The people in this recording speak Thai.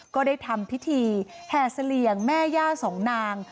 ก็ได้ทำพิธีแห่เสลี่ยงแม่ย่าสองนาง